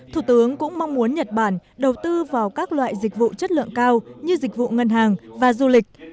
thủ tướng cũng mong muốn nhật bản đầu tư vào các loại dịch vụ chất lượng cao như dịch vụ ngân hàng và du lịch